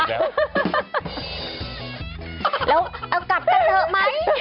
แล้วเอากลับกันเถอะไหม